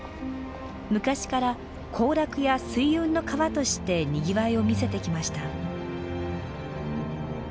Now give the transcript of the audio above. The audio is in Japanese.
昔から行楽や水運の川としてにぎわいを見せてきました。